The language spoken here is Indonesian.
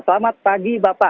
selamat pagi bapak